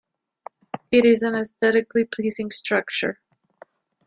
It is an aesthetically pleasing structure.